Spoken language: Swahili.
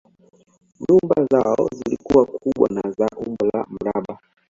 Nyumba zao zilikuwa kubwa na za umbo la mraba